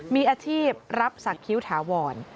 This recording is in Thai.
มีอาชีพรับศักดิ์ฮิวถาวร